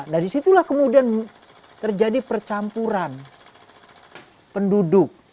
nah disitulah kemudian terjadi percampuran penduduk